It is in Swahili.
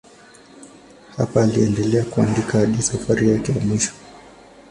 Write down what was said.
Hapa aliendelea kuandika hadi safari yake ya mwisho.